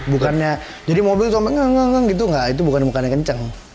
bukannya jadi mobil itu sampai ngang ngang gitu itu bukan mukanya kencang